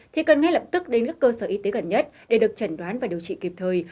thì cần ngay lập tức đến các cơ sở y tế gần nhất để được chẩn đoán và điều trị kịp thời